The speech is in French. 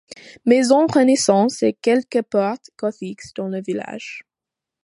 Maison Renaissance et quelques portes gothiques dans le village.